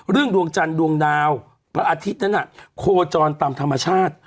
ดวงจันทร์ดวงดาวพระอาทิตย์นั้นโคจรตามธรรมชาติ